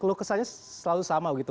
keluh kesannya selalu sama begitu